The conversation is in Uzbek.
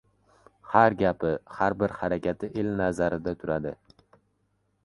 Har gapi, har bir harakati el nazarida turadi.